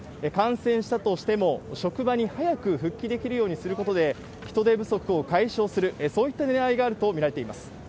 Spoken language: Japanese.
感染したとしても、職場に早く復帰できるようにすることで、人手不足を解消する、そういったねらいがあると見られています。